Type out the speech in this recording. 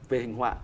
về hình họa